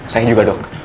saya juga dok